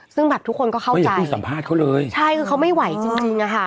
ซึ่งแบบทุกคนก็เข้าใจสัมภาษณ์เขาเลยใช่คือเขาไม่ไหวจริงจริงอะค่ะ